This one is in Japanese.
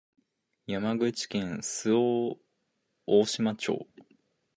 山口県周防大島町